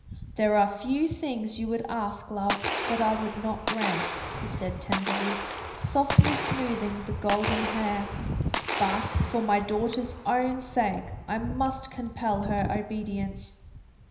"There are few things you would ask, love, that I would not grant," he said tenderly, softly smoothing the golden hair; "but for my daughter's own sake I must compel her obedience.